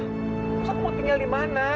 terus aku mau tinggal dimana